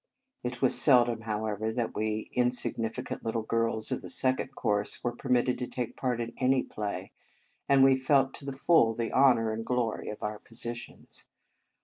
It was seldom, however, that we insig nificant little girls of the Second Cours were permitted to take part in any play, and we felt to the full the honour and glory of our positions.